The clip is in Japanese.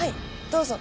どうぞ。